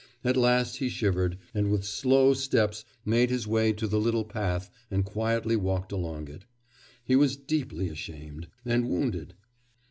At last he shivered, and with slow steps made his way to the little path and quietly walked along it. He was deeply ashamed... and wounded.